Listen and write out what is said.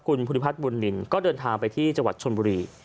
คุณภูริพัฒนบุญนินก็เดินทางไปที่จังหวัดชนบุรี